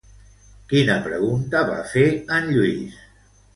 Quina pregunta va fer en Lluís?